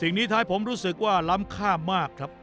สิ่งนี้ท้ายผมรู้สึกว่าล้ำค่ามากครับ